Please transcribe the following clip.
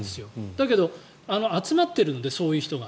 だけど、集まっているのでそういう人が。